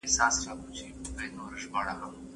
زه اوږده وخت د کتابتوننۍ سره خبري کوم؟!